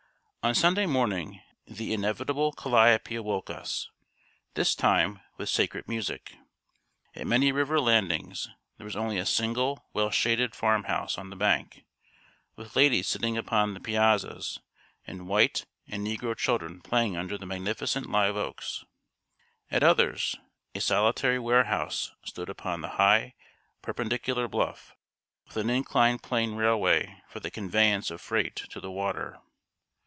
On Sunday morning, the inevitable calliope awoke us this time, with sacred music. At many river landings there was only a single well shaded farm house on the bank, with ladies sitting upon the piazzas, and white and negro children playing under the magnificent live oaks. At others, a solitary warehouse stood upon the high, perpendicular bluff, with an inclined plane railway for the conveyance of freight to the water.